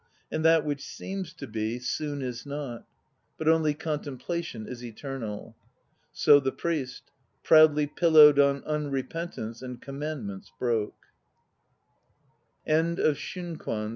And that which seems to be, soon is not. But only contemplation is eternal." So the priest: proudly pillowed On unrepentance and commandments broke.